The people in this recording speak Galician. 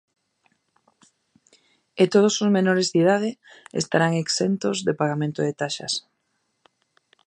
E todos os menores de idade estarán exentos do pagamento de taxas.